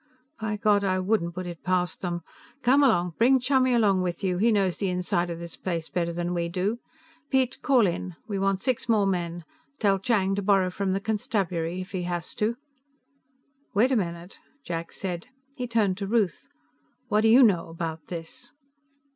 "By God, I wouldn't put it past them. Come along. Bring Chummy along with you; he knows the inside of this place better than we do. Piet, call in. We want six more men. Tell Chang to borrow from the constabulary if he has to." "Wait a minute," Jack said. He turned to Ruth. "What do you know about this?"